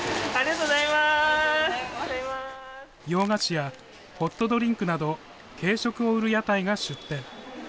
洋菓子やホットドリンクなど、軽食を売る屋台が出店。